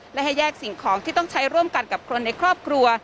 และให้แยกสิ่งของที่ต้องใช้ร่วมกันกับคนในครอบครัว